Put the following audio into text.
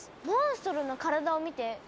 モンストロの体を見て。